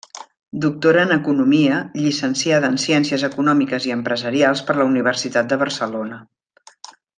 Doctora en Economia, Llicenciada en Ciències Econòmiques i Empresarials per la Universitat de Barcelona.